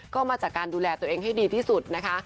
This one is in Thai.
ก็มาจากการดูแลตัวเองให้ดีที่สุดนะคะ